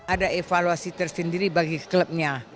ada evaluasi tersendiri bagi klubnya